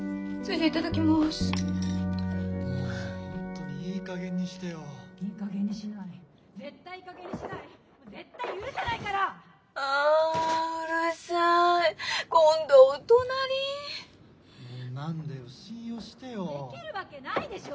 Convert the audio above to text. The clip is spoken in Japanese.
・できるわけないでしょ